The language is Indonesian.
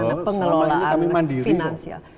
ini bagaimana pengelolaan finansial